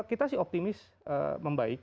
kita sih optimis membaik